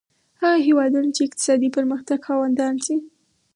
هغه هېوادونه چې اقتصادي پرمختګ خاوندان شي.